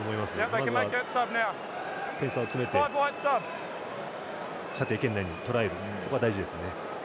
まずは点差を詰めて射程圏内にとらえることは大事ですね。